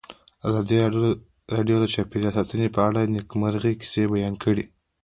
ازادي راډیو د چاپیریال ساتنه په اړه د نېکمرغۍ کیسې بیان کړې.